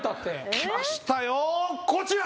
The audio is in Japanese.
きましたよこちら！